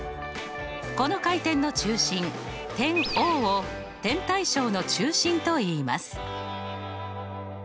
この回転の中心点Ｏを点対称の中心といいます。